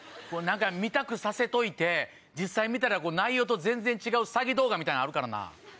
見たくさせといて実際見たら内容と全然違う詐欺動画みたいなんあるからな。